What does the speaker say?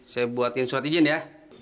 saya buatin surat izin ya